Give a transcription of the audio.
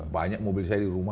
banyak mobil saya di rumah